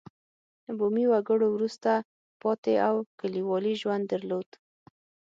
بومي وګړو وروسته پاتې او کلیوالي ژوند درلود.